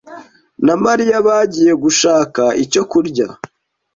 na Mariya bagiye gushaka icyo kurya.